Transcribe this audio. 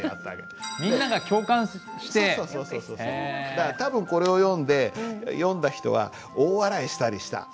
だから多分これを読んで読んだ人は大笑いしたりした。